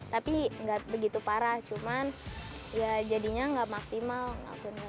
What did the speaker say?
tapi gak begitu parah cuman jadinya gak maksimal aku inget